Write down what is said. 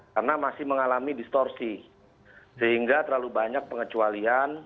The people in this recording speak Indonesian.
karena masih mengalami distorsi sehingga terlalu banyak pengecualian